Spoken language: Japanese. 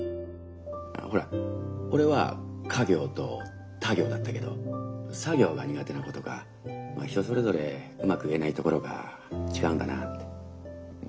ほら俺はカ行とタ行だったけどサ行が苦手な子とか人それぞれうまく言えないところが違うんだなって。